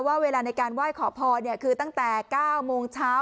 ว่าเวลาในการไหว้ขอพรเนี่ยคือตั้งแต่เก้ามงเช้า